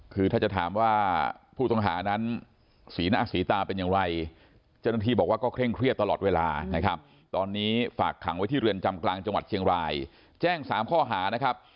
คือถ้าจะถามว่าผู้ต้องหานั้นสีหน้าสีตาเป็นอย่างไรเจ้าหน้าที่บอกว่าก็เคร่งเครียดตลอดเวลานะครับตอนนี้ฝากขังไว้ที่เรือนจำกลางจังหวัดเชียงรายแจ้ง๓ข้อหานะครับ